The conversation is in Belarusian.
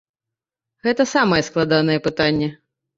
Гэта самае складанае пытанне.